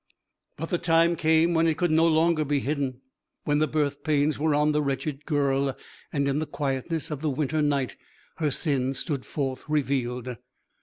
But the time came when it could no longer be hidden, when the birth pains were on the wretched girl, and in the quietness of the winter night, her sin stood forth revealed.